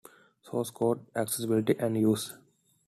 Source code accessibility and use.